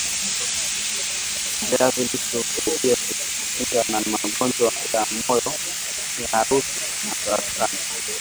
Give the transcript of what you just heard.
viazi lishe husaidia kutukinga na magonjwa ya moyo kiharusi na saratani